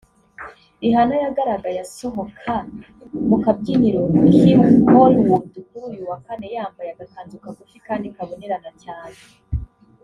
Rihanna yagaragaye asohoka mu kabyiniro k’i Hollywood kuri uyu wa Kane yambaye agakanzu kagufi kandi kabonerana cyane